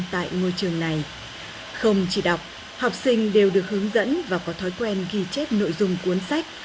tại ngôi trường này không chỉ đọc học sinh đều được hướng dẫn và có thói quen ghi chép nội dung cuốn sách